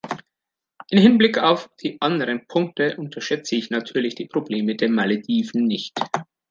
Im Hinblick auf die anderen Punkte unterschätze ich natürlich die Probleme der Malediven nicht.